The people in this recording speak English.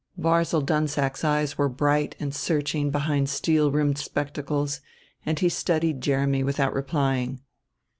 Barzil Dunsack's eyes were bright and searching behind steel rimmed spectacles, and he studied Jeremy without replying.